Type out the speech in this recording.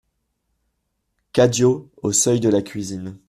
CADIO, au seuil de la cuisine.